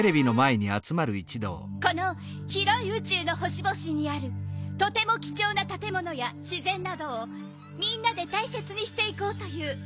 「このひろい宇宙のほしぼしにあるとてもきちょうなたてものやしぜんなどをみんなでたいせつにしていこうという」